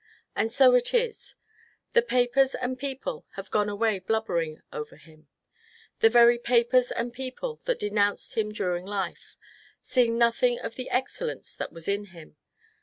And so it is. The papers and people have gone away blubbering over him, — the very papers and people that de nounced him during life, seeing nothing of the excellence that was in him.